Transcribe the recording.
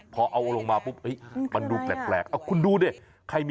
พอเอาลงมาปุ๊บเดี๋ยวลูกแปลกใช่ไหม